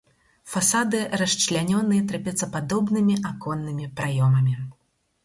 Фасады расчлянёны трапецападобнымі аконнымі праёмамі.